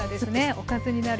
おかずになる。